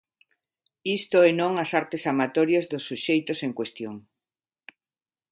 Isto e non as artes amatorias dos suxeitos en cuestión.